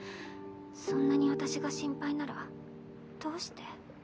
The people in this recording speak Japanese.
そんなに私が心配ならどうして。